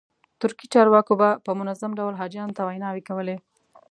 ترکي چارواکو به په منظم ډول حاجیانو ته ویناوې کولې.